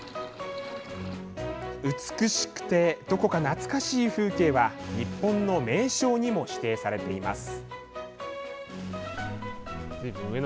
美しくて、どこか懐かしい風景は日本の名勝にも指定されています。